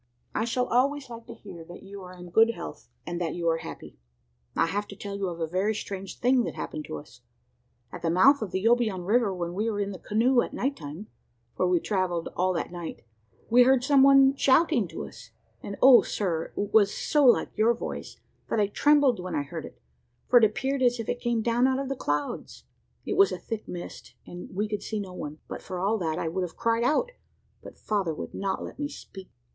I shall always like to hear that you are in good health, and that you are happy. "I have to tell you of a very strange thing that happened to us. At the mouth of the Obion river, when we were in the canoe at night time for we travelled all that night we heard some one shouting to us, and O Sir! it was so like your voice that I trembled when I heard it, for it appeared as if it came down out of the clouds. It was a thick mist, and we could see no one; but for all that, I would have cried out, but father would not let me speak.